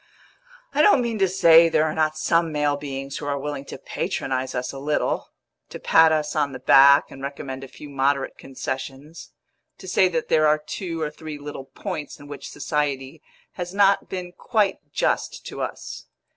I don't mean to say there are not some male beings who are willing to patronise us a little; to pat us on the back and recommend a few moderate concessions; to say that there are two or three little points in which society has not been quite just to us.